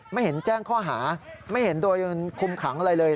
ไม่เห็นแจ้งข้อหาไม่เห็นโดยคุมขังอะไรเลย